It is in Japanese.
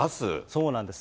そうなんです。